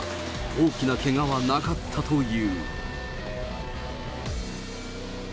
大きなけがはなかったという。